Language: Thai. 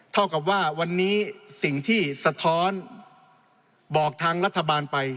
เท่ากับว่าวันนี้สิ่งที่สะท้อนบอกทางรัฐบาลไป